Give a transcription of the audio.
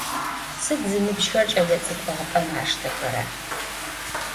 Сыд зыныбжьыхэр кӏэлэцӏыкӏу ӏыгъыпӏэм аштэхэра?